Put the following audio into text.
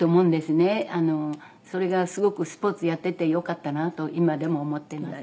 それがすごくスポーツやっていてよかったなと今でも思っています。